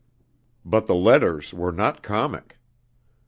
But the letters were not comic.